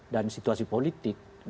dan situasi politik